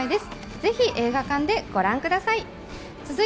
ぜひ映画館でご覧ください。